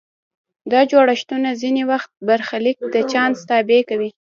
دا جوړښتونه ځینې وخت برخلیک د چانس تابع کوي.